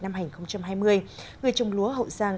năm hành hai mươi người trồng lúa hậu giang